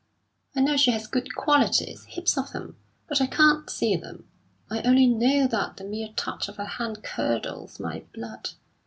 I know she has good qualities heaps of them but I can't see them. I only know that the mere touch of her hand curdles my blood.